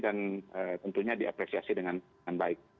dan tentunya diapresiasi dengan baik